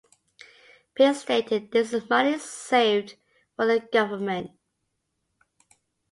Pei stated, This is money saved for the government.